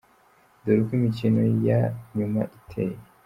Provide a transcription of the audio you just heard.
Dore uko imikino ya nyuma iteye:.